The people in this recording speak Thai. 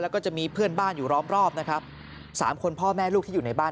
แล้วก็จะมีเพื่อนบ้านอยู่ล้อมรอบนะครับสามคนพ่อแม่ลูกที่อยู่ในบ้าน